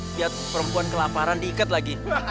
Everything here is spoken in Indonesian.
biar perempuan kelaparan diikat lagi